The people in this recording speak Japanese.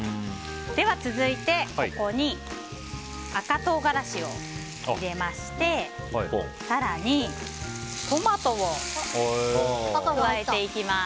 では、続いてここに赤唐辛子を入れまして更にトマトを加えていきます。